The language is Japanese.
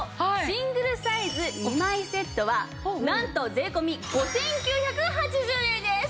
シングルサイズ２枚セットはなんと税込５９８０円です！